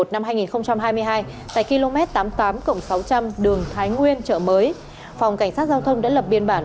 năm hai nghìn hai mươi hai tại km tám mươi tám cộng sáu trăm linh đường thái nguyên chợ mới phòng cảnh sát giao thông đã lập biên bản